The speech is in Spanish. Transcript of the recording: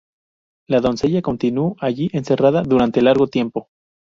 La doncella continuó allí encerrada durante largo tiempo.